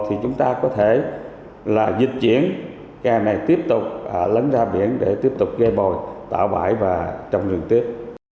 thì chúng ta có thể là dịch chuyển kè này tiếp tục lấn ra biển để tiếp tục gây bồi tạo bãi và trong rừng tiếp